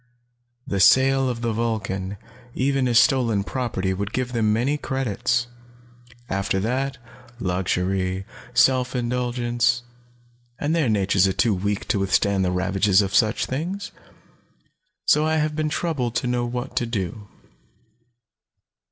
The sale of the Vulcan, even as stolen property, would give them many credits. After that luxury, self indulgence. And their natures are too weak to withstand the ravages of such things. So I have been troubled to know what to do.